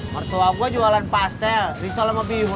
mertua gua jualan pastel risolem lebih